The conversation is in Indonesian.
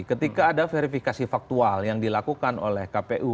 ketika ada verifikasi faktual yang dilakukan oleh kpu